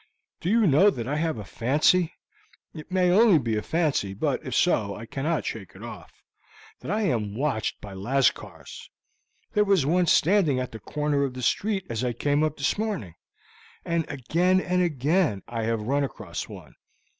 Do you know that I have a fancy it may only be a fancy, but if so, I cannot shake it off that I am watched by Lascars. There was one standing at the corner of the street as I came up this morning, and again and again I have run across one.